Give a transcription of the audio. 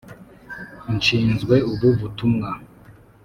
nshinzwe ubu butumwa.